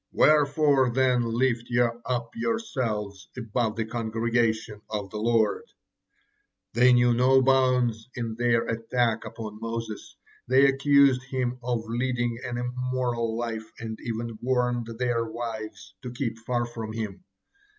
Wherefore then lift ye up yourselves above the congregation of the Lord?" They knew no bounds in their attacks upon Moses, they accused him of leading an immoral life and even warned their wives to keep far from him.